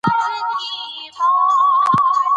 مړی یې د جامع کلیسا کې خاورو ته وسپارل شو.